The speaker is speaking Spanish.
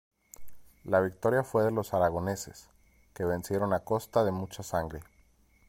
La victoria fue de los aragoneses, que vencieron a costa de mucha sangre.